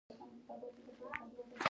ځینې درمل باید د ډوډۍ مخکې وخوړل شي.